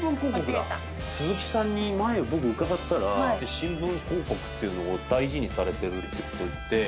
鈴木さんに前僕伺ったら新聞広告っていうのを大事にされてるってことを言って。